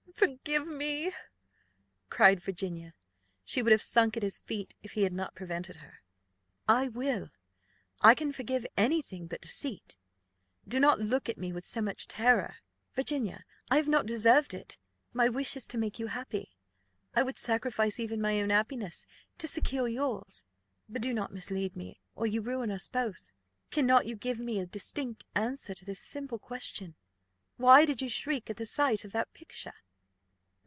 forgive me!" cried Virginia: she would have sunk at his feet, if he had not prevented her. "I will I can forgive any thing but deceit. Do not look at me with so much terror, Virginia I have not deserved it: my wish is to make you happy. I would sacrifice even my own happiness to secure yours; but do not mislead me, or you ruin us both. Cannot you give me a distinct answer to this simple question Why did you shriek at the sight of that picture?"